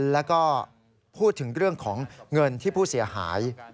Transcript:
แล้วก็พูดถึงเรื่องของเงินที่ผู้เสียหาย